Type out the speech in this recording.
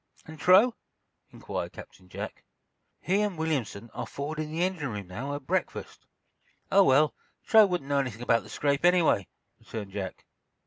"And Truax?" inquired Captain Jack. "He and Williamson are forward in the engine room, now, at breakfast." "Oh, well, Truax wouldn't know anything about the scrape, anyway," returned Jack.